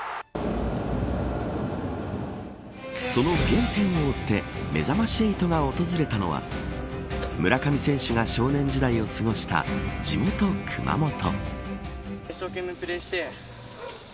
その原点を追ってめざまし８が訪れたのは村上選手が少年時代を過ごした地元、熊本。